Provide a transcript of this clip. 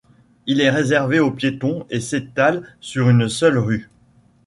Il est réservé aux piétons et s'étale sur une seule rue.